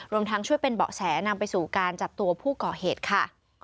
รวมทั้งช่วยเป็นเบาะแสนำไปสู่การจับตัวผู้ก่อเหตุค่ะ